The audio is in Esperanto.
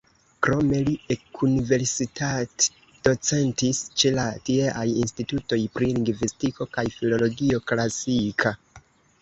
Krome li ekuniversitatdocentis ĉe la tieaj institutoj pri lingvistiko kaj filologio klasika.